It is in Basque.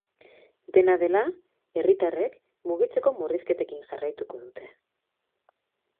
Dena dela, herritarrek mugitzeko murrizketekin jarraituko dute.